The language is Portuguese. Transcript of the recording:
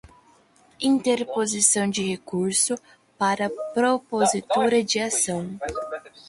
interposição de recurso, para propositura de ação